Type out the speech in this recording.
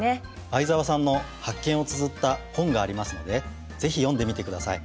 相沢さんの発見をつづった本がありますのでぜひ読んでみてください。